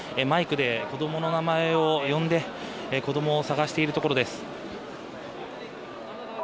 マイクで子供の名前を呼んで子供を探しているところです。